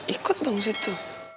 ikut dong situ